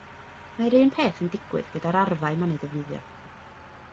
Mae'r un peth yn digwydd gyda'r arfau mae'n eu defnyddio.